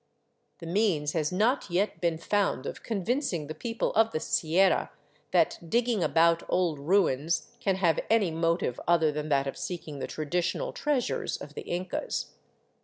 The means has not yet been found of convincing the people of the Sierra that digging about old ruins can have any motive other than that of seeking the traditional treasures of the Incas.